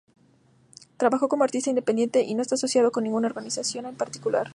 Trabaja como artista independiente y no está asociado con ninguna organización en particular.